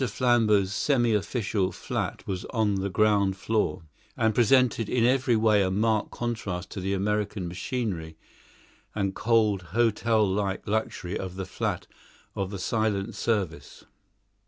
Flambeau's semi official flat was on the ground floor, and presented in every way a marked contrast to the American machinery and cold hotel like luxury of the flat of the Silent Service.